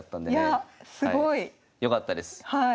いやすごい。よかったです。